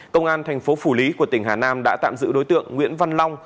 công an tp phủ lý của tỉnh hà nam đã tạm giữ đối tượng nguyễn văn long